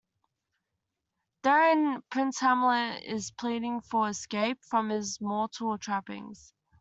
Therein, Prince Hamlet is pleading for escape from his mortal trappings.